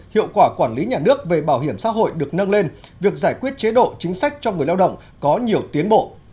hiệu quả quản lý nhà nước về bảo hiểm xã hội được nâng lên việc giải quyết chế độ chính sách cho người lao động có nhiều tiến bộ